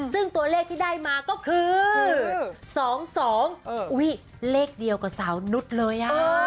ซึ่งตัวเลขที่ได้มาก็คือ๒๒อุ้ยเลขเดียวกับสาวนุษย์เลย